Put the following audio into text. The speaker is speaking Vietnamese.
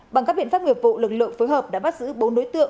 bằng các biện pháp nghiệp vụ lực lượng phối hợp đã bắt giữ bốn đối tượng